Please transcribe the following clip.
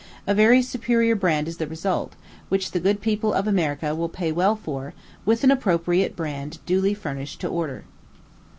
A very superior brand is the result, which the good people of America will pay well for, with an appropriate brand duly furnished to order.